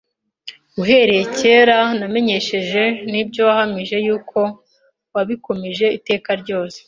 ” “Uhereye kera namenyeshejwe n’ibyo wahamije, yuko wabikomeje iteka ryose.